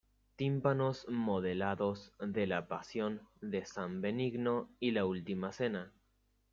Tímpanos modelados de la pasión de San Benigno y la Última Cena.